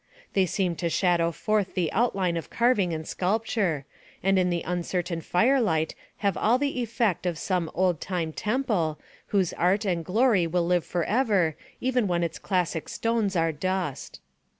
They seem to shadow forth the outline of carving and sculpture, and in the uncertain fire light have all the effect of some old time temple, whose art and glory will live forever, even when its classic stones are dust.